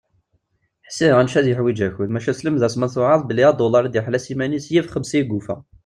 Ḥsiɣ, annect-a ad yiḥwiǧ akud, maca selmed-as, ma tweɛɛaḍ, belli adulaṛ i d-iḥella s yiman-is yif xemsa i yufa.